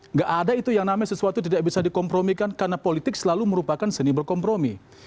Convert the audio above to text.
nggak ada itu yang namanya sesuatu tidak bisa dikompromikan karena politik selalu merupakan seni berkompromi